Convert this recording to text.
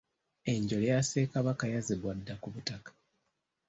Enjole ya Ssekabaka yazzibwa dda ku butaka.